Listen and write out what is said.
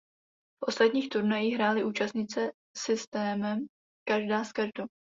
V ostatních turnajích hrály účastnice systémem každá s každou.